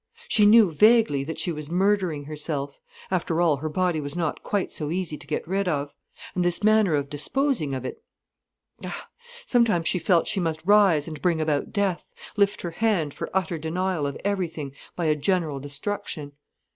She knew, vaguely, that she was murdering herself. After all, her body was not quite so easy to get rid of. And this manner of disposing of it—ah, sometimes she felt she must rise and bring about death, lift her hand for utter denial of everything, by a general destruction.